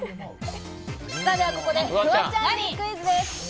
ここでフワちゃんにクイズです。